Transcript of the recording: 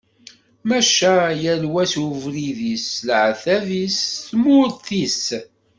Maca yal wa s ubrid-is, s leɛtab-is, d tumert-is.